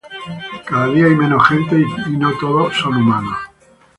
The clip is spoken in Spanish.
Cada día hay menos gente y no todos son humanos.